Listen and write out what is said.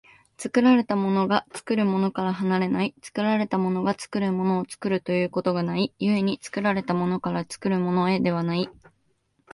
作られたものが作るものから離れない、作られたものが作るものを作るということがない、故に作られたものから作るものへではない。